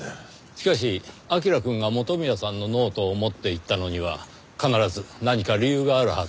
しかし彬くんが元宮さんのノートを持っていったのには必ず何か理由があるはずです。